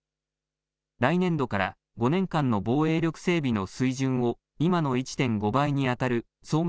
来年度から５年間の防衛力整備の水準を、今の１．５倍に当たる総額